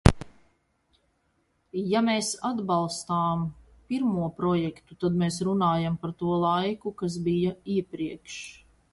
Ja mēs atbalstām pirmo projektu, tad mēs runājam par to laiku, kas bija iepriekš.